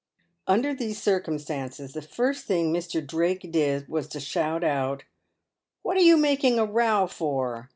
Under these circumstances, the first thing Mr. Drake did was to shout out, " What are you making a row for